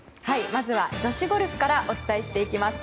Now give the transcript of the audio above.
まずは女子ゴルフからお伝えしていきます。